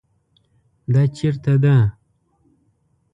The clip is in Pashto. دا چیرته ده؟